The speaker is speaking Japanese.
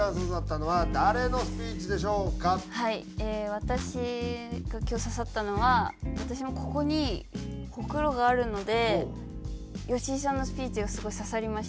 私が今日刺さったのは私もここにホクロがあるので好井さんのスピーチがすごい刺さりました。